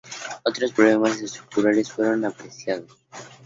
Otros problemas estructurales fueron apreciados.